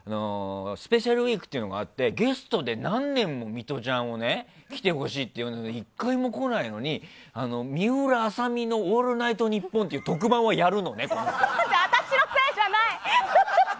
スペシャルウィークっていうのがあってゲストで何年もミトちゃんに来てほしいって言ったのに１回も来ないのに「水卜麻美のオールナイトニッポン」っていう私のせいじゃない！